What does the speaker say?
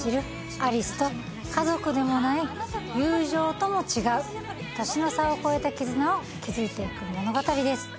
有栖と家族でもない友情とも違う年の差を超えた絆を築いていく物語です